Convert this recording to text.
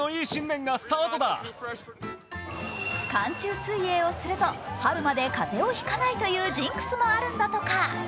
水泳をすると春まで風邪をひかないというジンクスもあるんだとか。